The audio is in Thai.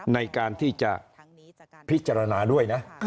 ในการที่จะพิจารณาด้วยนะ